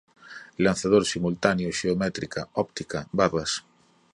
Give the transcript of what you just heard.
lançador, simultâneo, geométrica, óptica, barras